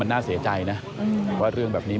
น่าเสียใจนะว่าเรื่องแบบนี้